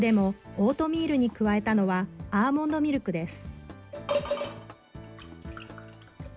この日の朝食でも、オートミールに加えたのは、アーモンドミルクです。